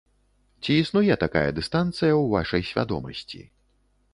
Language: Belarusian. Ці існуе такая дыстанцыя ў вашай свядомасці?